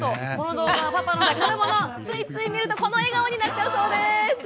ついつい見るとこの笑顔になっちゃうそうです。